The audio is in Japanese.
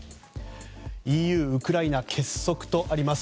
ＥＵ・ウクライナ結束とあります。